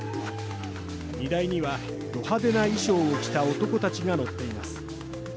荷台には、ド派手な衣装を着た男たちが乗っています。